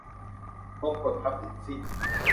บงกช พับลิชชิ่ง